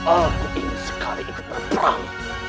aku ingin sekali ikut berperang